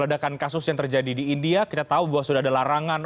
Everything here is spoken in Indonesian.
ledakan kasus yang terjadi di india kita tahu bahwa sudah ada larangan